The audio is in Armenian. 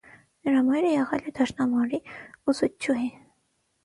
Նրա մայրը եղել է դաշնամուրի ուսուցչուհի։